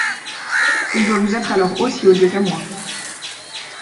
Il doit vous être alors aussi odieux qu'à moi.